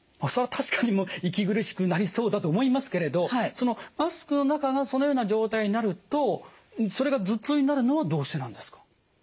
それは確かに息苦しくなりそうだと思いますけれどマスクの中がそのような状態になるとそれが頭痛になるのはどうしてなんですか？